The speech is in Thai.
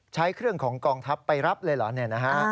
ใช้เครื่องของกองทัพไปรับเลยเหรอ